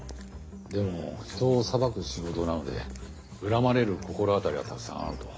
でも人を裁く仕事なので恨まれる心当たりはたくさんあると。